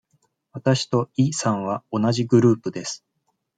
わたしとイさんは同じグループです。